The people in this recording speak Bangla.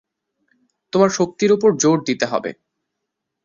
তোমার শক্তির উপর জোর দিতে হবে।